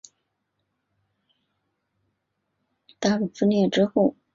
淡水蟹的演化被认为发生在冈瓦纳大陆分裂之后。